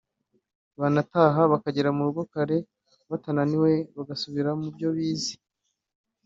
banataha bakagera mu rugo kare batananiwe bagasubira mu byo bize